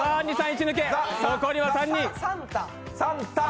残りは３人。